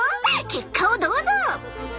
結果をどうぞ！